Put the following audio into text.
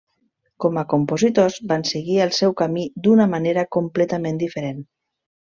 Com a compositors van seguir el seu camí d'una manera completament diferent.